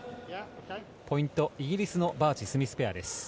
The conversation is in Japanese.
ポイント、イギリスのバーチ、スミスペア。